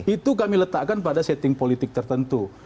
itu kami letakkan pada setting politik tertentu